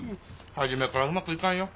初めからうまくいかんよ。